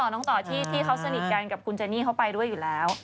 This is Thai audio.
ต่อที่เขาสนิทกันกับคุณเจนี่เขาไปด้วยอยู่แล้ว